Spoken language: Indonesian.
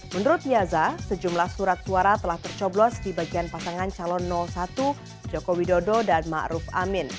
menurut yaza sejumlah surat suara telah tercoblos di bagian pasangan calon satu joko widodo dan ⁇ maruf ⁇ amin